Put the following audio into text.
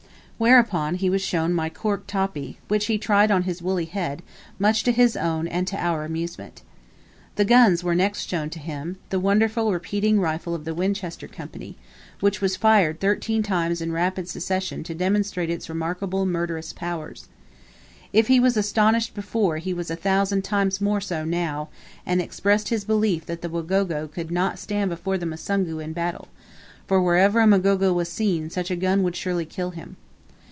Whereupon he was shown my cork topee, which he tried on his woolly head, much to his own and to our amusement. The guns were next shown to him; the wonderful repeating rifle of the Winchester Company, which was fired thirteen times in rapid succession to demonstrate its remarkable murderous powers. If he was astonished before he was a thousand times more so now, and expressed his belief that the Wagogo could not stand before the Musungu in battle, for wherever a Mgogo was seen such a gun would surely kill him.